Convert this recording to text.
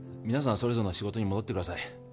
それぞれの仕事に戻ってください